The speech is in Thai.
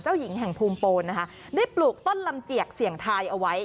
หญิงแห่งภูมิโปนนะคะได้ปลูกต้นลำเจียกเสี่ยงทายเอาไว้